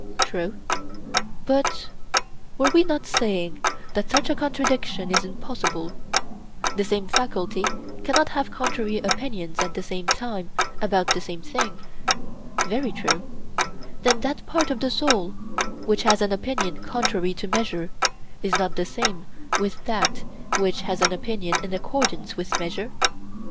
True. But were we not saying that such a contradiction is impossible—the same faculty cannot have contrary opinions at the same time about the same thing? Very true. Then that part of the soul which has an opinion contrary to measure is not the same with that which has an opinion in accordance with measure?